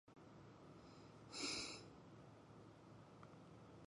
日本航空自卫队队列表列出航空自卫队各级部队的组织。